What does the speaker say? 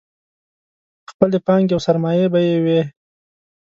خپلې پانګې او سرمایې به یې وې.